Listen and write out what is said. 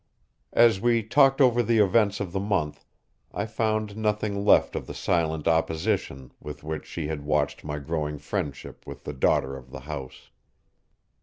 As we talked over the events of the month, I found nothing left of the silent opposition with which she had watched my growing friendship with the daughter of the house.